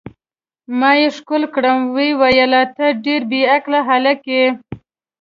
ما یې ښکل کړم، ویې ویل: ته ډېر بې عقل هلک یې.